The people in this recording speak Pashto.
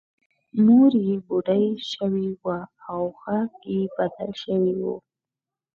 مور یې بوډۍ شوې وه او غږ یې بدل شوی و